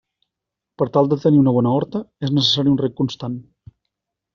Per tal de tenir una bona horta, és necessari un reg constant.